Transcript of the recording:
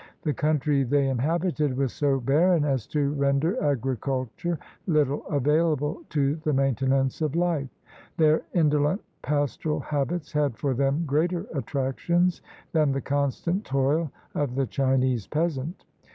The country they inhabited was so barren as to render agriculture Uttle available to the maintenance of life. Their indolent, pastoral habits had for them greater attractions than the constant toil of the Chinese peas ant.